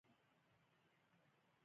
قلم د حقه نیتونو نتیجه ده